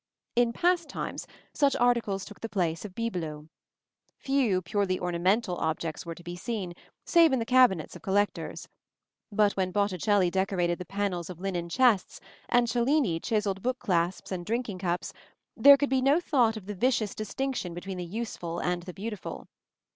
In past times such articles took the place of bibelots. Few purely ornamental objects were to be seen, save in the cabinets of collectors; but when Botticelli decorated the panels of linen chests, and Cellini chiselled book clasps and drinking cups, there could be no thought of the vicious distinction between the useful and the beautiful.